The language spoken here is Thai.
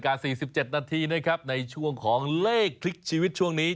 กลับนาฬกา๔๗นาทีในช่วงของเลขคลิกชีวิตช่วงนี้